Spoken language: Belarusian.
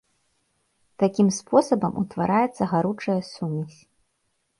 Такім спосабам утвараецца гаручая сумесь.